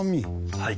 はい。